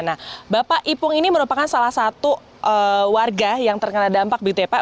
nah bapak ipung ini merupakan salah satu warga yang terkena dampak begitu ya pak